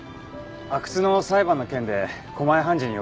阿久津の裁判の件で狛江判事に呼ばれまして。